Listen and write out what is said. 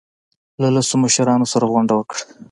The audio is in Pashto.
له لسو مشرانو سره غونډه وکړه.